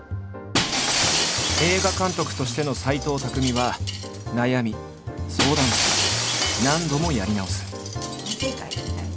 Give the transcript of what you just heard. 映画監督としての斎藤工は悩み相談し何度もやり直す。